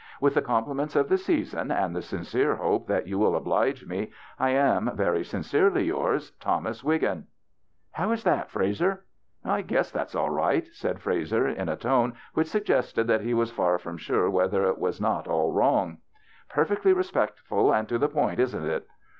With the compli ments of the season and the sincere hope that you will oblige me, I am, " Very sincerely yours, "Thomas Wiggin." " How is that, Frazer ?"" I guess it's all right," said Frazer, in a tone which suggested that he was far from sure whether it was not all wrong. " Perfectly respectful and to the point, isn't it?"